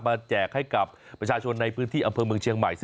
แจกให้กับประชาชนในพื้นที่อำเภอเมืองเชียงใหม่